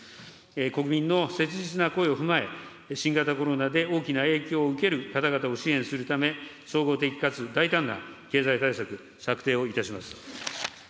国民の切実な声を踏まえ、新型コロナで大きな影響を受ける方々を支援するため、総合的かつ大胆な経済対策、策定をいたします。